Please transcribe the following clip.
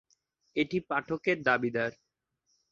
এটি পাঠকের দাবিদার।